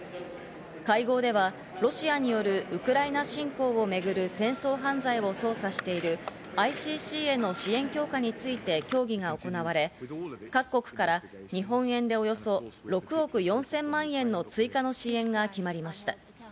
会合ではロシアによるウクライナ侵攻をめぐる戦争犯罪を捜査しているＩＣＣへの支援強化について協議が行われ、各国から日本円でおよそ６億４０００万円の追加の支援が決まりました。